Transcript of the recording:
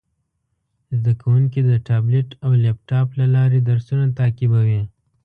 زده کوونکي د ټابلیټ او لپټاپ له لارې درسونه تعقیبوي.